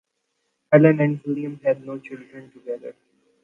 Helen and William had no children together.